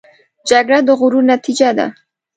جګړه د غرور نتیجه ده